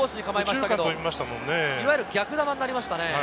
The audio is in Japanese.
いわゆる逆球になりましたね。